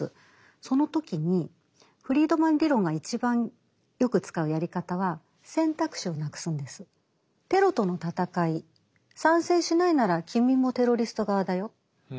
その時にフリードマン理論が一番よく使うやり方はテロとの戦い賛成しないなら君もテロリスト側だよ。